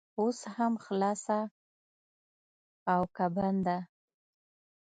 اوس هم خلاصه او که بنده؟